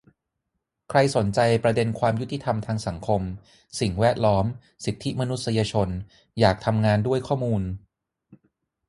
ใครสนใจประเด็นความยุติธรรมทางสังคม สิ่งแวดล้อม สิทธิมนุษยชน อยากทำงานด้วยข้อมูล